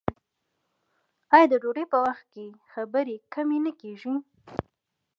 آیا د ډوډۍ په وخت کې خبرې کمې نه کیږي؟